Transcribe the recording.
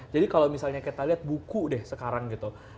jadi kalau misalnya kita lihat buku deh sekarang gitu